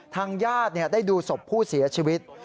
ทางญาติได้ดูศพผู้เสียชีวิต